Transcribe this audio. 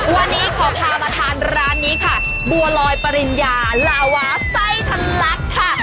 วันนี้ขอพามาทานร้านนี้ค่ะบัวลอยปริญญาลาวาไส้ทะลักค่ะ